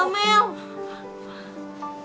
eh mas belunya